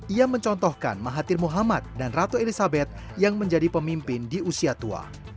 ia mencontohkan mahathir muhammad dan ratu elizabeth yang menjadi pemimpin di usia tua